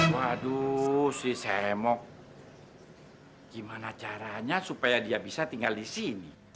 waduh si semok gimana caranya supaya dia bisa tinggal di sini